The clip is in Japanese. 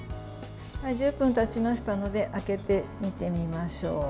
１０分たちましたので開けて見てみましょう。